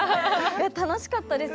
楽しかったです